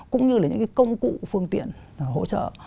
cũng như là những cái công cụ phương tiện hỗ trợ